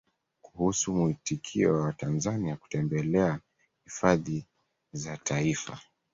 Kuhusu muitikio wa Watanzania kutembelea Hifadhi za Taifa